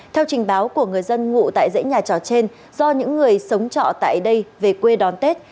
theo trình báo của người dân ngụ tại dãy nhà trọ trên do những người sống trọ tại đây về quê đón tết